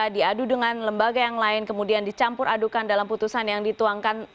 diadu dengan lembaga yang lain kemudian dicampur adukan dalam putusan yang dituangkan